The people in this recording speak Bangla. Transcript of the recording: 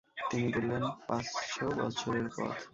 তিনি বললেন, পাঁচশ বছরের পথ।